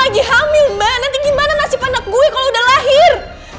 ganteng gimana nasib anak gue kalau udah lahir